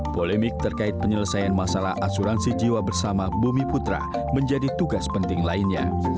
polemik terkait penyelesaian masalah asuransi jiwa bersama bumi putra menjadi tugas penting lainnya